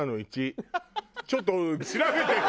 ちょっと調べてよ。